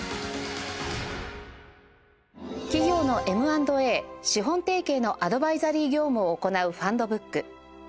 企業の Ｍ＆Ａ ・資本提携のアドバイザリー業務を行う ｆｕｎｄｂｏｏｋ